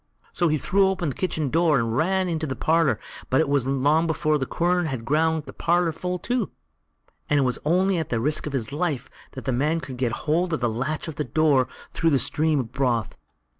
So he threw open the kitchen door and ran into the parlour, but it wasn't long before the quern had ground the parlour full too, and it was only at the risk of his life that the man could get hold of the latch of the house door through the stream of broth.